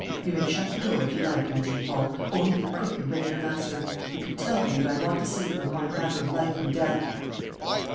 "You may shut the door, if you like," answered Paul; "only be quick and wake your master. You can tell him that I want to see him upon a matter of life and death."